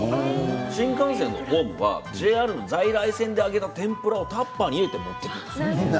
新幹線のホームはＪＲの在来線で揚げた天ぷらをタッパーに入れて持ってくるんです。